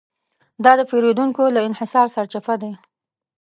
دا د پېریدونکو له انحصار سرچپه دی.